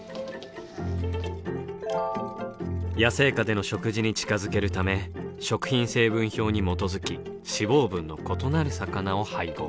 野生下での食事に近づけるため食品成分表に基づき脂肪分の異なる魚を配合。